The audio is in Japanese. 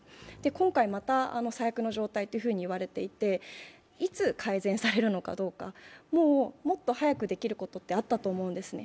今回また最悪の状態と言われていて、いつ改善されるのかどうか、もっと早くできることってあったと思うんですね。